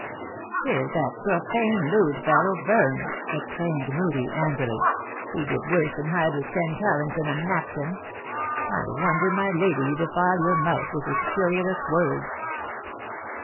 "" Tis that profane, lewd fellow, Burns," exclaimed Moodie, angrily. " He did worse than hide his ten talents in a napkin. I wonder, my lady, you defile your mouth with his scurrilous words."